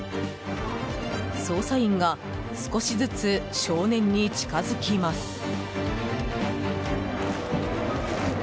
捜査員が少しずつ少年に近づきます。